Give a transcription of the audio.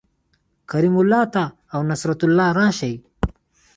کریم الله ته او نصرت الله راشئ